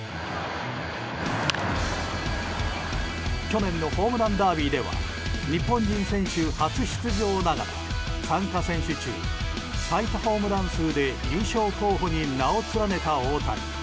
去年のホームランダービーでは日本人選手初出場ながら参加選手中最多ホームラン数で優勝候補に名を連ねた大谷。